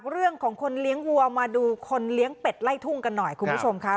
เรื่องของคนเลี้ยงวัวมาดูคนเลี้ยงเป็ดไล่ทุ่งกันหน่อยคุณผู้ชมค่ะ